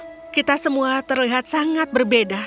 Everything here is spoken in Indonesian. karena kita semua terlihat sangat berbeda